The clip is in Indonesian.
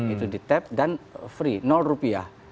itu di tap dan free rupiah